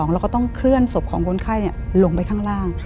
แล้วก็ต้องเคลื่อนศพของคนไข้ลงไปข้างล่าง